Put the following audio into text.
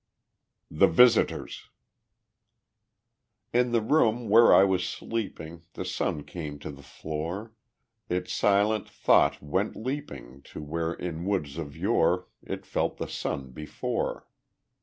The Visitors In the room where I was sleeping The sun came to the floor; Its silent thought went leaping To where in woods of yore It felt the sun before.